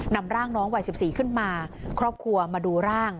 นำร่างน้องวัย๑๔ขึ้นมาครอบครัวมาดูร่าง